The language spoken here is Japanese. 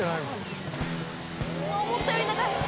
思ったより長い！